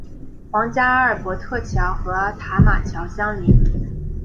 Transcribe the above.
皇家阿尔伯特桥和塔马桥相邻。